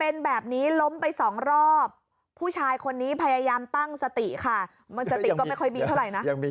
แล้วเป็นอย่างไร